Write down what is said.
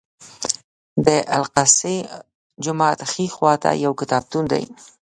د الاقصی جومات ښي خوا ته یو کتابتون دی.